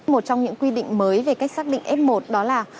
một trong những quy định mới về cách xác định f một đó là